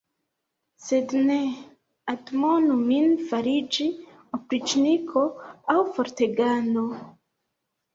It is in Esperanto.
Sed ne admonu min fariĝi opriĉniko aŭ kortegano.